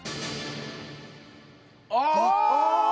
ああ！